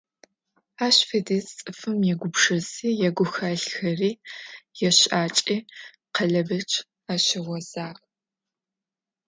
Ащ фэдиз цӀыфым ягупшыси, ягухэлъхэри, ящыӀакӀи Къалэбэч ащыгъозагъ.